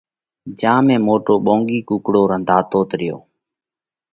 جيا ۾ موٽو ٻونڳي ڪُوڪڙو رنڌاتوت ريو۔